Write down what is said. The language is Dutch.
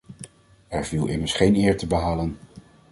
Er viel immers geen eer te behalen.